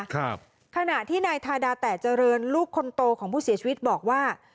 ขณะที่นายทาดาแต่เจริญลูกคนโตของผู้เสียชีวิตบอกว่า